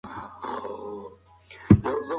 رسنۍ د عامه افکارو په جوړولو کې خورا ځواکمنې دي.